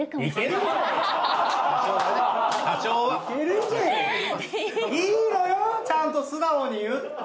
いいのよちゃんと素直に言って。